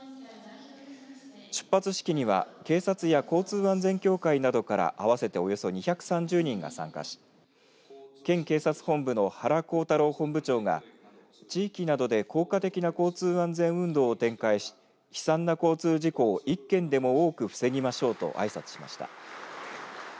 出発式には警察や交通安全協会などから合わせておよそ２３０人が参加し県警察本部の原幸太郎本部長が地域などで効果的な交通安全運動を展開し悲惨な交通事故を一件でも多く防ぎましょうとあいさつしました。